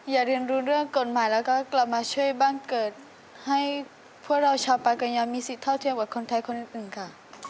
เรียนรู้เรื่องกฎหมายแล้วก็กลับมาช่วยบ้านเกิดให้พวกเราชาวปากัญญามีสิทธิเท่าเทียมกับคนไทยคนอื่นค่ะ